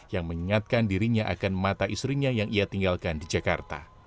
yang mengingatkan dirinya akan mata istrinya yang ia tinggalkan di jakarta